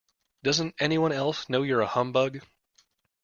Doesn't anyone else know you're a humbug?